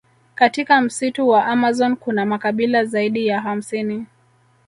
Katika msitu wa amazon kuna makabila zaidi ya hamsini